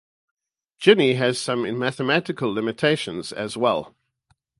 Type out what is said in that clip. Gini has some mathematical limitations as well.